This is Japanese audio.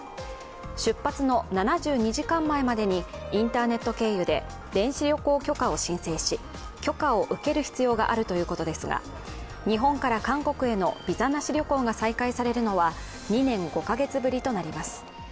出発の７２時間前までにインターネット経由で電子旅行許可を申請し、許可を受ける必要があるということですが、日本から韓国へのビザなし旅行が再開されるのは２年５カ月ぶりとなります。